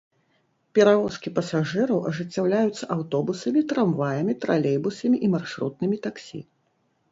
Перавозкі пасажыраў ажыццяўляюцца аўтобусамі, трамваямі, тралейбусамі і маршрутнымі таксі.